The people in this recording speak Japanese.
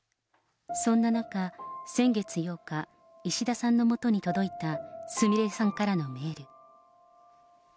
そんな中、先月８日、石田さんのもとに届いたすみれさんからのメール。